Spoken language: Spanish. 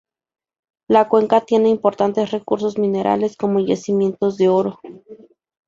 La cuenca tiene importantes recursos minerales, como yacimientos de oro.